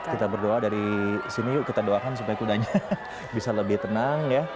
kita berdoa dari sini yuk kita doakan supaya kudanya bisa lebih tenang ya